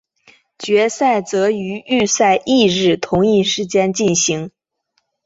决赛则于预赛翌日同一时间进行。